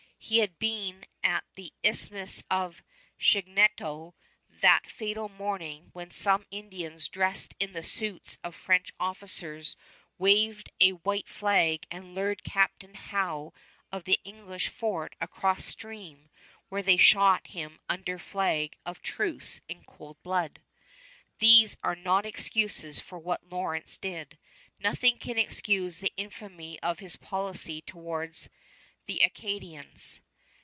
He had been at the Isthmus of Chignecto that fatal morning when some Indians dressed in the suits of French officers waved a white flag and lured Captain Howe of the English fort across stream, where they shot him under flag of truce in cold blood. These are not excuses for what Lawrence did. Nothing can excuse the infamy of his policy toward the Acadians.